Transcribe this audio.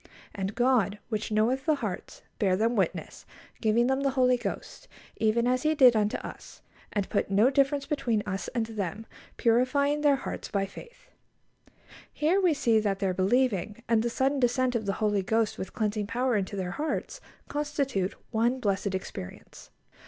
And God, which knoweth the hearts, bare them witness, giving them the Holy Ghost, even as He did unto us; and put no difference between us and them, purifying their hearts by faith." Here we see that their believing, and the sudden descent of the Holy Ghost with cleansing power into their hearts, constitute one blessed experience.